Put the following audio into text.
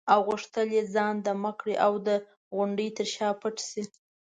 او غوښتل یې ځان دمه کړي او د غونډې تر شا پټ شي.